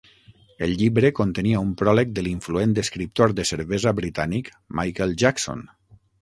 El llibre contenia un pròleg de l'influent escriptor de cervesa britànic Michael Jackson.